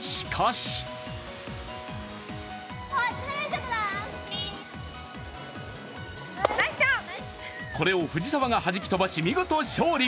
しかしこれを藤澤がはじき飛ばし、見事勝利。